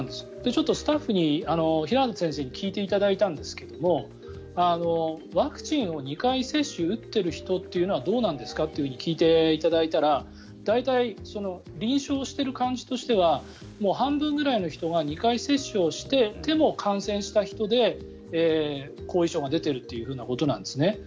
ちょっとスタッフに平畑先生に聞いていただいたんですがワクチンを２回接種打っている人というのはどうなんですかと聞いていただいたら大体、臨床している感じとしては半分ぐらいの人が２回接種をしていても感染した人で、後遺症が出ているということなんです。